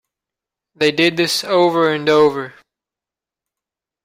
They did this over and over.